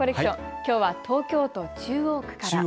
きょうは東京都中央区から。